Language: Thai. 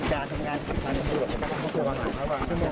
หลังจากที่สุดยอดเย็นหลังจากที่สุดยอดเย็น